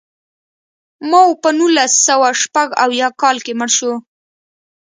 ماوو په نولس سوه شپږ اویا کال کې مړ شو.